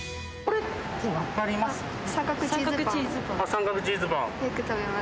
三角チーズパン。